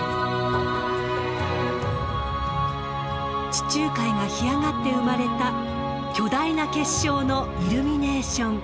地中海が干上がって生まれた巨大な結晶のイルミネーション。